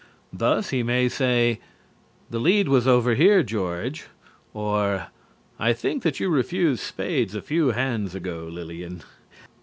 Thus, he may say: "The lead was over here, George," or "I think that you refused spades a few hands ago, Lillian."